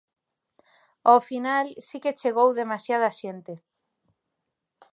Ao final si que chegou demasiada xente.